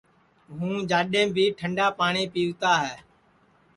یو جاڈؔیم بی ٹھنٚڈا پاٹؔی پیوتا ہے